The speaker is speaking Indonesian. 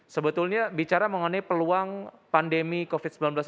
sebetulnya bicara mengenai peluang pandemi covid sembilan belas ini berakhir seberapa besar dok